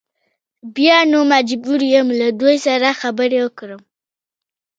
بیا نو مجبور یم له دوی سره خبرې وکړم.